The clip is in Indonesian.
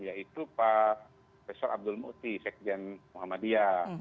yaitu pak prof abdul muti sekjen muhammadiyah